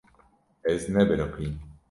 Ez nebiriqîm.